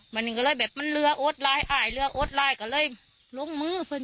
มันก็เลยแบบมันเลือดร้ายอ้ายเลือดร้ายก็เลยลงมือเพื่อน